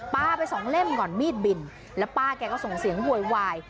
ป้าไปสองเล่มก่อนมีดบินแล้วป้าแกก็ส่งเสียงโวยวาย